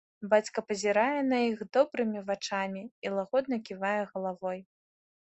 Бацька пазірае на іх добрымі вачамі і лагодна ківае галавой.